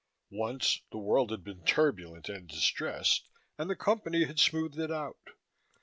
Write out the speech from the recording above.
Once the world had been turbulent and distressed, and the Company had smoothed it out.